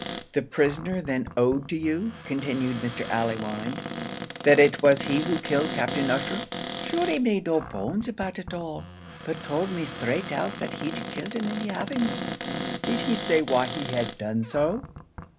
"The prisoner then owned to you," continued Mr. Allewinde, "that it was he who killed Captain Ussher?" "Shure he made no bones about it all but told me straight out that he'd killed him in the avenue." "Did he say why he had done so?"